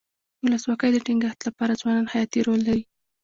د ولسواکۍ د ټینګښت لپاره ځوانان حیاتي رول لري.